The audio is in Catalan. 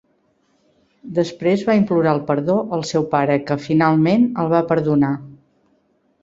Després va implorar el perdó al seu pare que, finalment el va perdonar.